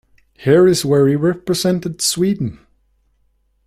Here is where he represented Sweden.